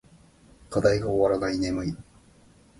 課題が終わらない。眠い。